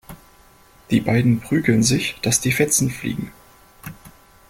Die beiden prügeln sich, dass die Fetzen fliegen.